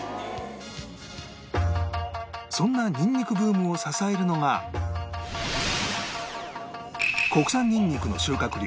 そんなニンニクブームを支えるのが国産ニンニクの収穫量